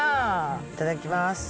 いただきます。